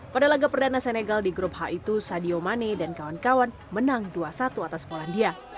pada laga perdana senegal di grup h itu sadio mane dan kawan kawan menang dua satu atas polandia